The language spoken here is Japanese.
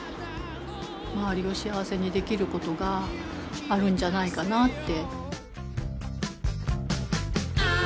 周りを幸せにできることがあるんじゃないかなって。